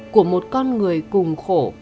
của một con người cùng khổ